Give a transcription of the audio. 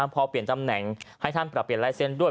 พอเปลี่ยนตำแหน่งให้ท่านปรับเปลี่ยนลายเซ็นต์ด้วย